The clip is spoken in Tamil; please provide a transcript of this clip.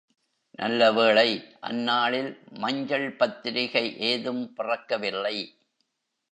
நல்ல வேளை, அந்நாளில் மஞ்சள் பத்திரிகை ஏதும் பிறக்கவில்லை.